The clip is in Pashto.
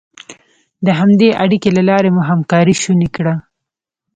د همدې اړیکې له لارې مو همکاري شونې کړه.